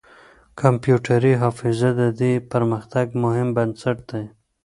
کمپيوټري حافظه د دې پرمختګ مهم بنسټ دی.